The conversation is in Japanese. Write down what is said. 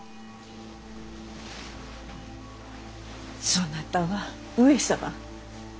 そなたは上様。